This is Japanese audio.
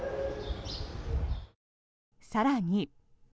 更に。